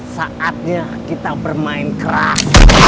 saatnya kita bermain keras